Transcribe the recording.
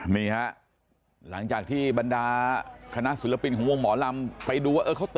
มีครับหลังจากบรรดาคณะศิลปินของหมอลำไปดูว่าเขามาเหมือนมีคงนะครับ